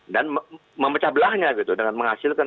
dan memecah belahnya dengan menghasilkan